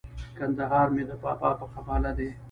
کندهار مي د بابا په قباله دی